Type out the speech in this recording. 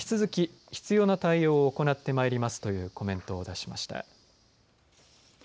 引き続き必要な対応を行ってまいりますというコメントを出しました。